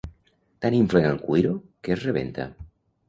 Tant inflen el cuiro, que es rebenta.